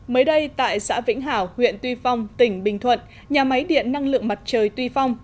mới đây tại xã vĩnh hảo huyện tuy phong tỉnh bình thuận nhà máy điện năng lượng mặt trời tuy phong